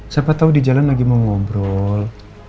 siapa tahu di jalan lagi mau ngobrol